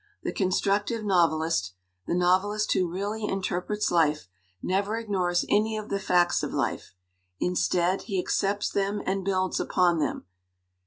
The con structive novelist, the novelist who really inter prets life, never ignores any of the facts of life. Instead, he accepts them and builds upon them.